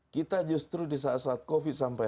kita justru di saat saat covid sampai